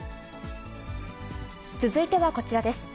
続いてはこちらです。